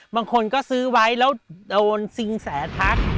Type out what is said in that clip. บางคนก็ซื้อไว้แล้วโดนซิงแสทัก